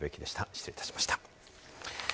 失礼いたしました。